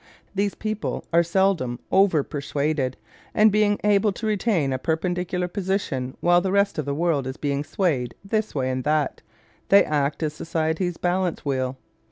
These people are seldom over persuaded, and being able to retain a perpendicular position while the rest of the world is being swayed this way and that, they act as society's balance wheel.